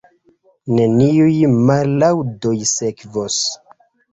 Neniuj mallaŭdoj sekvos.